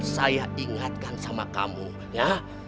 saya ingatkan sama kamu ya